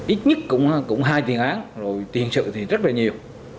ít nhất cũng hai tiền án rồi tiền sự thì rất là nhiều